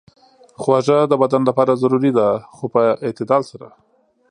خوږه د بدن لپاره ضروري ده، خو په اعتدال سره.